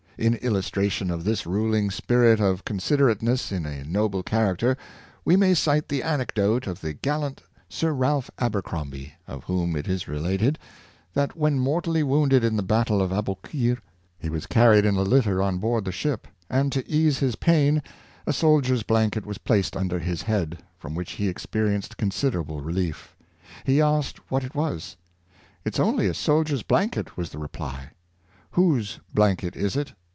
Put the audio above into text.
In illustration of this ruling spirit of considerateness in a noble character, we may cite the anecdote of the gal lant Sir Ralph Abercrombie, of whom it is related, that when mortally wounded in the battle of Aboukir, he was carried in a litter on board the ship; and, to ease his pain, a soldier's blanket was placed under his head, from which he experienced considerable relief He asked what it was. " It's only a soldier's blanket," was the reply. ^' Whose blanket is it.